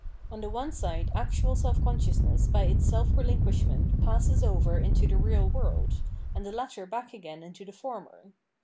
On the one side actual self consciousness by its self relinquishment passes over into the real world, and the latter back again into the former.